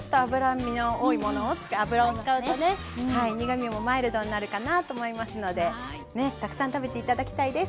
油を使うとね苦みもマイルドになるかなと思いますのでたくさん食べて頂きたいです。